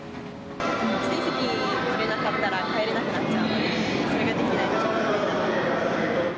指定席取れなかったら、帰れなくなっちゃうので、それができないと不便だなと。